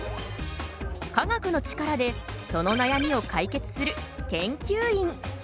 科学のチカラでその悩みを解決する研究員。